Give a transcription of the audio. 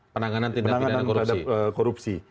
penanganan tindakan terhadap korupsi